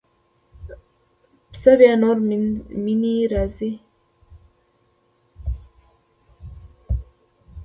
پسې بیا نورې مینې راځي.